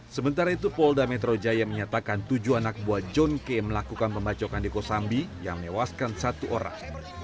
sementara itu polda metro jaya menyatakan tujuh anak buah john k melakukan pembacokan di kosambi yang menewaskan satu orang